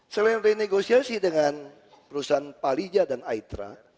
selain renegosiasi dengan perusahaan palija dan aitra